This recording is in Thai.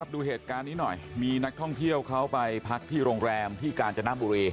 ดูเหตุการณ์นี้หน่อยมีนักท่องเที่ยวเขาไปพักที่โรงแรมที่กาญจนบุรี